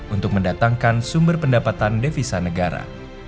untuk mendatangkan sumber pendapatan devisa negara